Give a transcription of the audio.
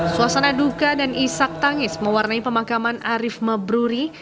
suasana duka dan isak tangis mewarnai pemakaman arif mebruri